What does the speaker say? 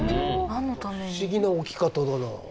不思議な置き方だな。